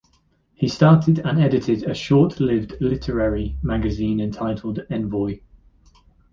He started and edited a short-lived literary magazine entitled "Envoy".